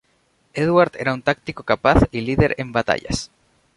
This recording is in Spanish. Edward era un táctico capaz y líder en batallas.